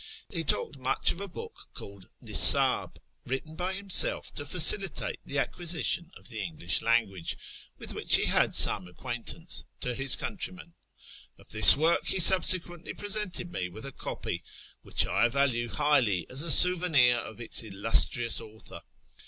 He talked much of a book called Nisdh, written by himself to facilitate the acquisition of the English language (with which he had some acquaintance) to his countrymen. Of this w^ork he subsequently presented me w4th a copy, which I value highly as a souvenir of its illustrious author.